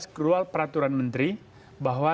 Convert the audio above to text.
krual peraturan menteri bahwa